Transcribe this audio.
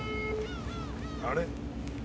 あれ？